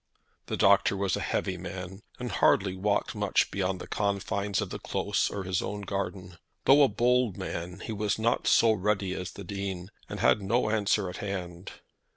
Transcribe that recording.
The Doctor was a heavy man, and hardly walked much beyond the confines of the Close or his own garden. Though a bold man, he was not so ready as the Dean, and had no answer at hand.